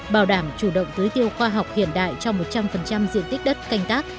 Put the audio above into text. bảo đảm chủ động tưới tiêu khoa học hiện đại cho một trăm linh diện tích đất canh tác